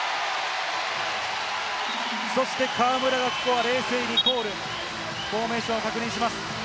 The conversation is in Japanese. そして河村が、ここは冷静にフォーメーションを確認します。